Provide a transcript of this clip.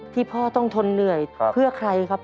พ่อต้องทนเหนื่อยเพื่อใครครับ